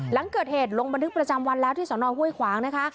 หลังเกิดเหตุลงบันทึกประจำวันแล้วที่สนห้วยขวางนะคะ